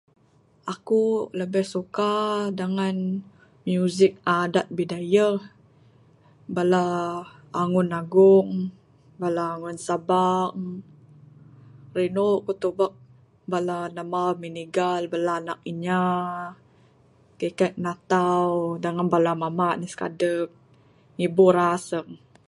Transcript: Akuk lebih suka dengan musik adat Bidayuh. Bala angun agung', bala angun sabam'. Rindu ku tubuk bala namba, minigal bala anak inya kikek natau dengan bala mamba ne sikadup, ngibur asung'.